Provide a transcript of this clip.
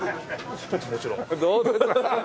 もちろん。